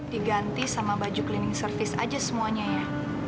diganti sama baju cleaning service aja semuanya ya